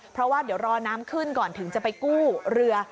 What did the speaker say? เพราะว่าเดี๋ยวรอน้ำขึ้นก่อนถึงจะไปกู้เรือ